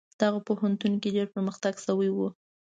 دغه پوهنتون کې ډیر پرمختګ شوی و.